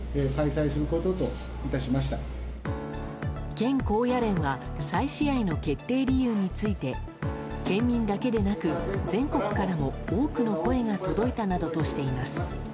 県高野連は再試合の決定理由について県民だけでなく全国からも多くの声が届いたなどとしています。